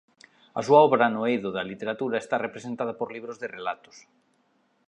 A súa obra no eido da literatura está representada por libros de relatos.